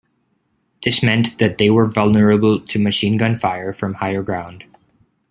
This meant that they were vulnerable to machine gun fire from higher ground.